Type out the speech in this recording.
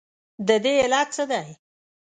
ددې علت څه دی؟